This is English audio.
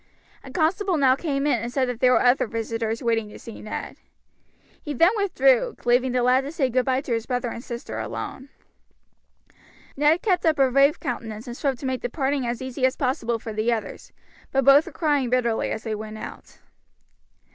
A constable now came in and said that there were other visitors waiting to see Ned. He then withdrew, leaving the lad to say goodby to his brother and sister alone. Ned kept up a brave countenance, and strove to make the parting as easy as possible for the others, but both were crying bitterly as they went out.